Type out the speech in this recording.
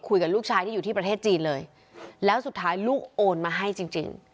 คุยกับลูกชายที่อยู่ที่ประเทศจีนเลยแล้วสุดท้ายลูกโอนมาให้จริงจริง